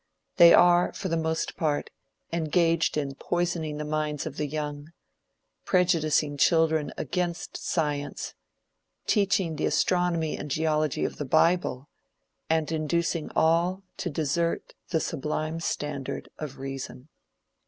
They are, for the most part, engaged in poisoning the minds of the young, prejudicing children against science, teaching the astronomy and geology of the bible, and inducing all to desert the sublime standard of reason.